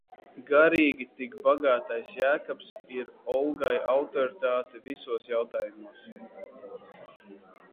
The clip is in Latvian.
Garīgi tik bagātais Jēkabs ir Olgai autoritāte visos jautājumos.